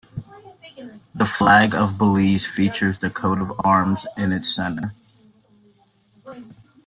The flag of Belize features the coat of arms in its center.